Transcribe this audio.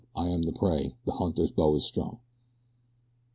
I am the prey! The hunter's bow is strung!